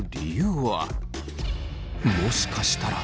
もしかしたら。